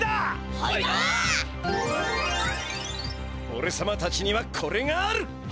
おれさまたちにはこれがある！